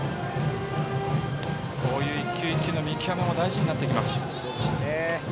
こういう１球１球の見極めも大事になってきます。